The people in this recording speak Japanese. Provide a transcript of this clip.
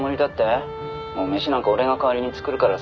「飯なんか俺が代わりに作るからさ